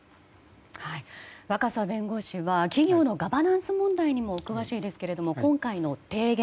若狭弁護士は企業のガバナンス問題にもお詳しいですけども今回の提言